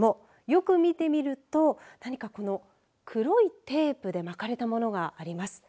よく見てみると何か黒いテープで巻かれたものがあります。